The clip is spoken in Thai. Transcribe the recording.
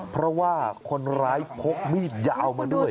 เพราะว่าคนร้ายพกมีดยาวมาด้วย